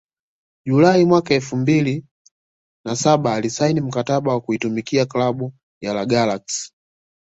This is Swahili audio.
Julai mwaka elfu mbili na saba alisaini mkataba wa kuitumikia klabu ya La Galaxy